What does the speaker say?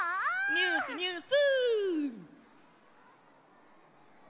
ニュースニュース！